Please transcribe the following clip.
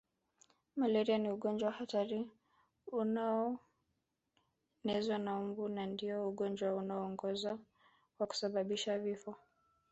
Malaria ni ugonjwa hatari unaonezwa na mbu na ndio ugonjwa unaoongoza kwa kusababisha vifo